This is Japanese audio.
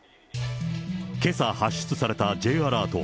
けさ発出されたＪアラート。